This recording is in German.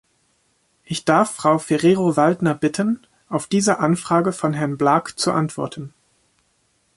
Ich darf Frau Ferrero-Waldner bitten, auf diese Anfrage von Herrn Blak zu antworten.